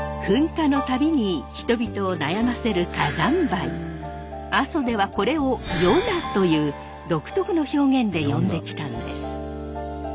噴火の度に人々を悩ませる阿蘇ではこれをヨナという独特の表現で呼んできたんです。